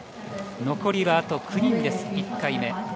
残りはあと９人です、１回目。